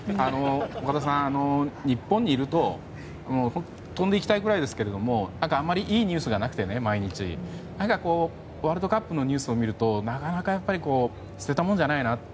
岡田さん、日本にいると飛んで行きたいくらいですけどあまり毎日いいニュースがなくて何かワールドカップのニュースを見るとなかなか、やっぱり捨てたもんじゃないなって。